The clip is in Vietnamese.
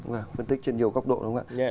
quyên tích trên nhiều góc độ đúng không ạ